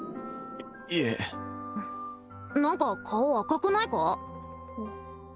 いえ何か顔赤くないか？